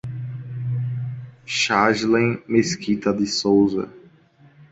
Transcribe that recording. Chaslen Mesquita de Sousa